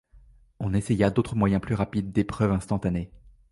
On essaya d’autres moyens plus rapides, d’épreuves instantanées.